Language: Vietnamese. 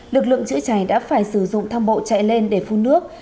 lực lượng chữa cháy đã phải sử dụng thang bộ chạy lên để phun nước